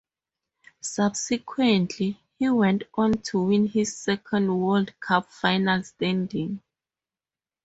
Subsequently, he went on to win his second World Cup final standing.